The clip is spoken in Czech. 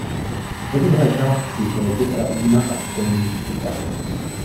Ve druhé části byl byt rabína a školní třída.